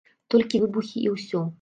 Толькі выбухі і ўсё.